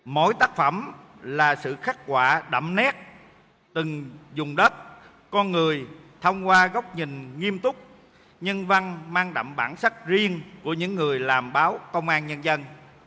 mỗi tác phẩm là sự khắc họa đậm nét từng dùng đất con người thông qua góc nhìn nghiêm túc nhân văn mang đậm bản sắc riêng của những người làm báo công an nhân dân